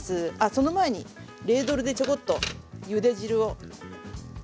その前にレードルでちょこっとゆで汁を。